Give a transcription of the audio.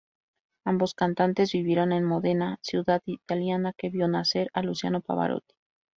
Ambos cantantes vivieron en Módena, ciudad italiana que vio nacer a Luciano Pavarotti.